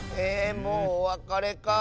もうおわかれかあ。